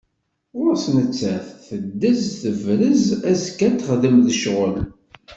Ɣur-s nettat, teddez tebrez, azekka ad t-texdem d ccɣel.